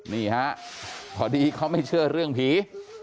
นี่ฮะพอดีเขาไม่เชื่อเรื่องผี